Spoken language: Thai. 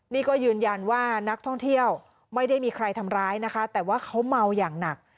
นี่ก็ยืนยันว่านักท่องเที่ยวไม่ได้มีใครทำร้ายนะคะแต่ว่าเขาเมาอย่างหนัก